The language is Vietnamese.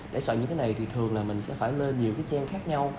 để soạn những cái này thì thường là mình sẽ phải lên nhiều cái chen khác nhau